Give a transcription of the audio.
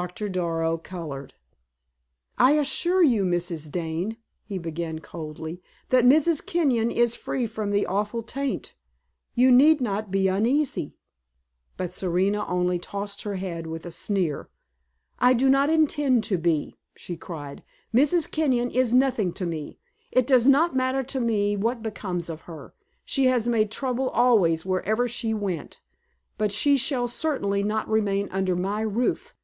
Doctor Darrow colored. "I assure you, Mrs. Dane," he began, coldly, "that Mrs. Kenyon is free from the awful taint. You need not be uneasy." But Serena only tossed her head with a sneer. "I do not intend to be!" she cried. "Mrs. Kenyon is nothing to me. It does not matter to me what becomes of her. She has made trouble always where ever she went. But she shall certainly not remain under my roof!"